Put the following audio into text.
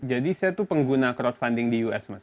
jadi saya itu pengguna crowdfunding di us